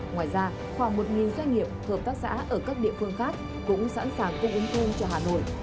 ngoài ra khoảng một doanh nghiệp hợp tác xã ở các địa phương khác cũng sẵn sàng cung ứng tôm cho hà nội